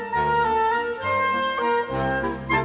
โปรดติดตามต่อไป